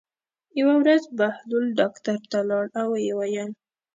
یوه ورځ بهلول ډاکټر ته لاړ او ویې ویل.